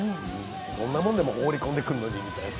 どんなもんでも放り込んでくるのに、みたいな。